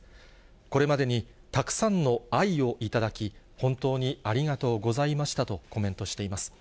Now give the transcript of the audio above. これまでにたくさんの愛を頂き、本当にありがとうございましたとコメントしています。